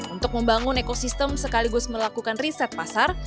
untuk membangun ekosistem sekaligus melakukan riset pasar